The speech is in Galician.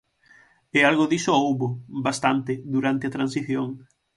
E algo diso houbo, bastante, durante a Transición.